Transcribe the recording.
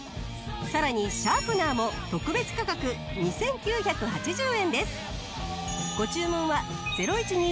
さらにシャープナーも特別価格２９８０円です。